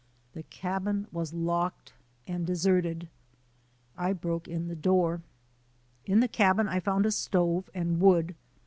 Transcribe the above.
The cabin was locked and deserted ! I broke in the door. In the cabin I found a stove and wood.